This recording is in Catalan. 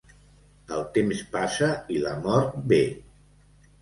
El temps passa i la mort ve.